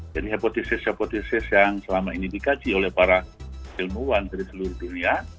jadi hipotesis hipotesis yang selama ini dikaji oleh para ilmuwan dari seluruh dunia